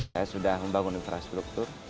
saya sudah membangun infrastruktur